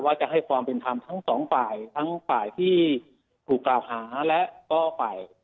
จะให้ความเป็นธรรมทั้งสองฝ่ายทั้งฝ่ายที่ถูกกล่าวหาและก็ฝ่าย